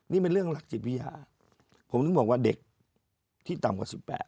นี่เป็นเรื่องหลักจิตวิทยาผมถึงบอกว่าเด็กที่ต่ำกว่า๑๘